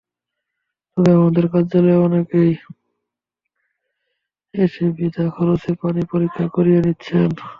তবে আমাদের কার্যালয়ে অনেকেই এসে বিনা খরচে পানি পরীক্ষা করিয়ে নিচ্ছেন।